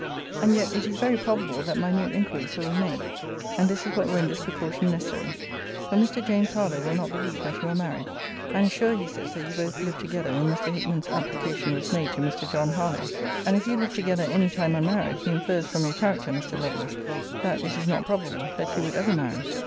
] And yet it is very probable, that minute inquiries will be made; and this is what renders precaution necessary; for Mr. James Harlowe will not believe that you are married; and is sure, he says, that you both lived together when Mr. Hickman's application was made to Mr. John Harlowe: and if you lived together any time unmarried, he infers from your character, Mr. Lovelace, that it is not probable that you would ever marry.